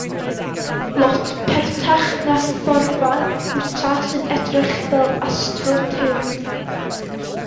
Lot pertach na phorfa gwta sy'n edrych fel AstroTurf.